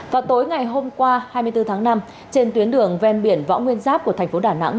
vào tối ngày hôm qua hai mươi bốn tháng năm trên tuyến đường ven biển võ nguyên giáp của thành phố đà nẵng